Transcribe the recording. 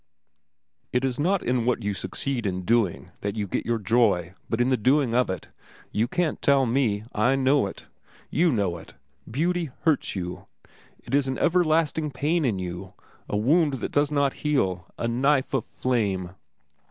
"It is not in what you succeed in doing that you get your joy, but in the doing of it. You can't tell me. I know it. You know it. Beauty hurts you. It is an everlasting pain in you, a wound that does not heal, a knife of flame.